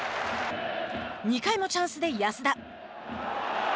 ２回もチャンスで安田。